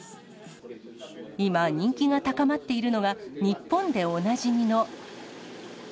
今、人気が高まっているのが、日本でおなじみの。